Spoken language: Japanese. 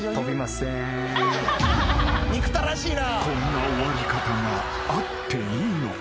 ［こんな終わり方があっていいのか？］